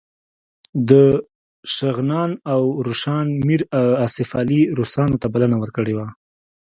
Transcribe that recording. د شغنان او روشان میر آصف علي روسانو ته بلنه ورکړې وه.